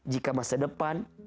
jika masa depan